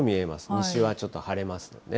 西はちょっと晴れますよね。